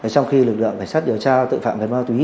trong khi lực lượng cảnh sát điều tra tội phạm về ma túy